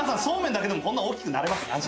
そうめんだけでもこんな大きくなれます。